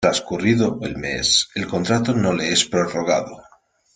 Transcurrido el mes, el contrato no le es prorrogado.